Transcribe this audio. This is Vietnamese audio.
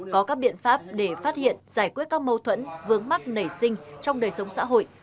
có các biện pháp để phát hiện giải quyết các mâu thuẫn vướng mắt nảy sinh trong đời sống xã hội